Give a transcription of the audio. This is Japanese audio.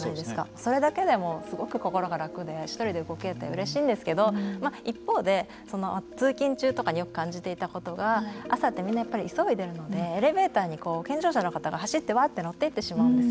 それだけでも、すごく心が楽で１人で動けるってうれしいんですけど一方で、通勤中とかによく感じていたことが朝ってみんな急いでいるのでエレベーターに健常者の方が走ってわあって乗っていってしまうんです。